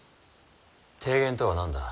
提言とは何だ？